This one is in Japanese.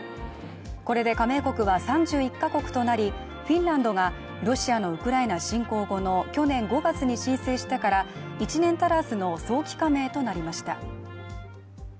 これで加盟国は３１か国となりフィンランドがロシアのウクライナ侵攻後の去年５月に申請してから１年足らずの早期加盟となりました。